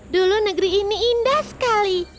dulu negeri ini indah sekali